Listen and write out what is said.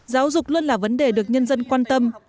giáo dục luôn là vấn đề được nhân dân quan tâm